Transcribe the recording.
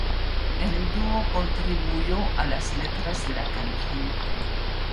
El dúo contribuyó a las letras de la canción.